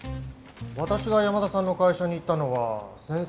私が山田さんの会社に行ったのは先々週の月曜。